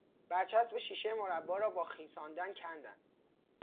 بر چسب شیشه مربا را با خیساندن کندن